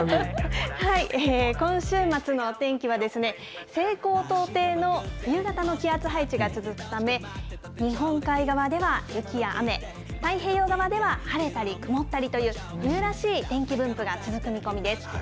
今週末のお天気は、西高東低の冬型の気圧配置が続くため、日本海側では雪や雨、太平洋側では晴れたり曇ったりという、冬らしい天気分布が続く見込みです。